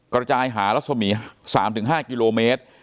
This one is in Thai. กระจายหารัศมี๓๕กิโลเมตร